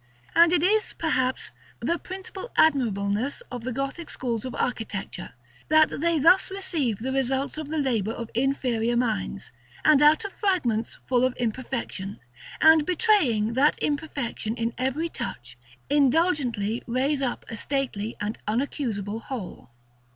And it is, perhaps, the principal admirableness of the Gothic schools of architecture, that they thus receive the results of the labor of inferior minds; and out of fragments full of imperfection, and betraying that imperfection in every touch, indulgently raise up a stately and unaccusable whole.